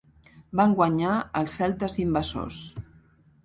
Van guanyar els celtes invasors.